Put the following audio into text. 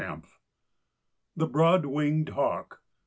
] THE BROAD WINGED HAWK.